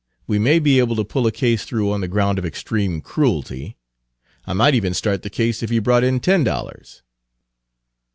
We may be able to pull a case through on the ground of extreme cruelty. I might even start the case if you brought in ten dollars."